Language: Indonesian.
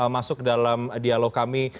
masuk dalam dialog kami